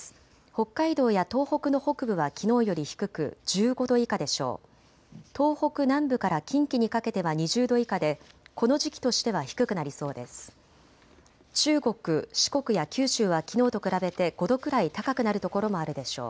北海道や東北の北部はきのうより低く１５度以下でしょう。